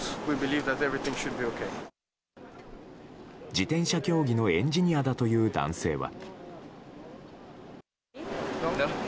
自転車競技のエンジニアだという男性は。